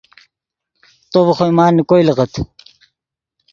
تو ڤے خوئے مال نے کوئے لئیت